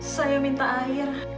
saya minta air